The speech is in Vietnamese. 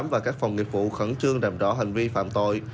và các phòng nghiệp vụ khẩn trương làm rõ hành vi phạm tội